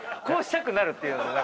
こうしたくなるっていう。